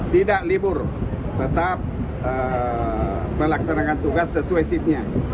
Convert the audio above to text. tidak libur tetap melaksanakan tugas sesuai shiftnya